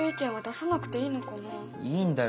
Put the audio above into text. いいんだよ。